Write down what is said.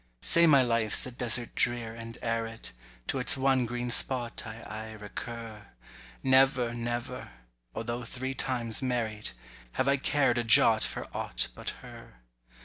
Say my life's a desert drear and arid, To its one green spot I aye recur: Never, never—although three times married— Have I cared a jot for aught but her.